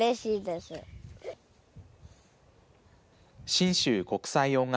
信州国際音楽